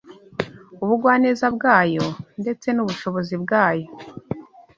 ubugwaneza bwayo ndetse n’ubushobozi bwayo.